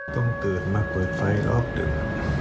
ต้องเตือนมาเปิดไฟรอบเดิม